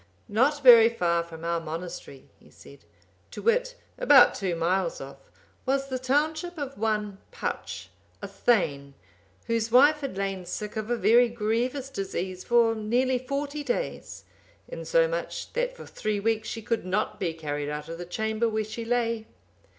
"Not very far from our monastery," he said, "to wit, about two miles off, was the township(784) of one Puch, a thegn, whose wife had lain sick of a very grievous disease for nearly forty days, insomuch that for three weeks she could not be carried out of the chamber where she lay.